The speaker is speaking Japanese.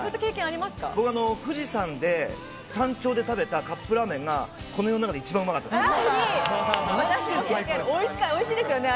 富士山山頂で食べたカップラーメンが、この世の中で一番美味しかったです。